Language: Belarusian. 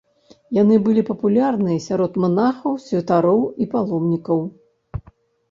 Яны былі папулярныя сярод манахаў, святароў і паломнікаў.